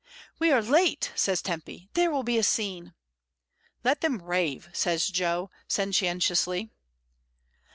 "We are late," says Tempy, "there will be a scene!" "Let them rave," says Jo, sententiously.